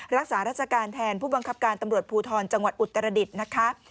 รักษาราชการแทนผู้บังคับการตำรวจภูทรจังหวัดอุตรดิษฐ์นะคะ